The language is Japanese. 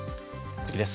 次です。